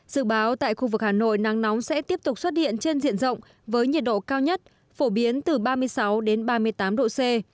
dự báo tại khu vực hà nội nắng nóng sẽ tiếp tục xuất hiện trên diện rộng với nhiệt độ cao nhất phổ biến từ ba mươi sáu đến ba mươi tám độ c